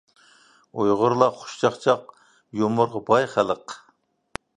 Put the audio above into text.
ئۇيغۇرلار خۇش چاقچاق، يۇمۇرغا باي خەلق.